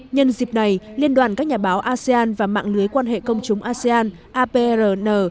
nhân dịp này liên đoàn các nhà báo asean và mạng lưới quan hệ công chúng asean aprn